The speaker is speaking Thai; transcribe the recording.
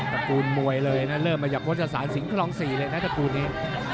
ตระกูลมวยเลยเริ่มมายักพนศาสานสีงคลองซี่เลยนะตระกูลนี้